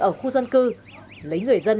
ở khu dân cư lấy người dân